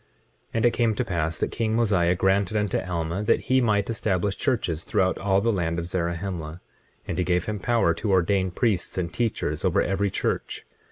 25:19 And it came to pass that king Mosiah granted unto Alma that he might establish churches throughout all the land of Zarahemla; and gave him power to ordain priests and teachers over every church.